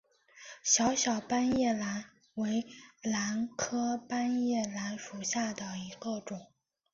小小斑叶兰为兰科斑叶兰属下的一个种。